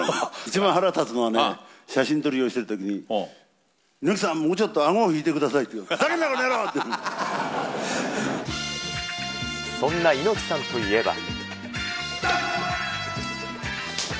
一番腹立つのはね、写真撮りをしているときに、猪木さん、もうちょっとあごを引いてくださいって、ふざけんな、この野郎っそんな猪木さんといえば。